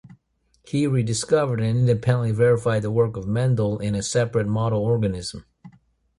He rediscovered and independently verified the work of Mendel in a separate model organism.